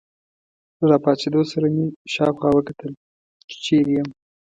له راپاڅېدو سره مې شاوخوا وکتل، چې چیرې یم.